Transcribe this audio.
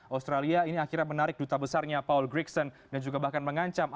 australia ini akhirnya menarik duta besarnya paul grickson dan juga bahkan mengancam